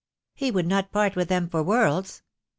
"He would not part with them for worlds.